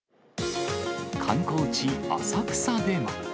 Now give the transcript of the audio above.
観光地、浅草では。